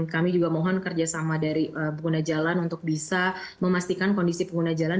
kami juga mohon kerjasama dari pengguna jalan untuk bisa memastikan kondisi pengguna jalan